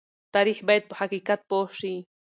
تاریخ باید په حقیقت پوه شي.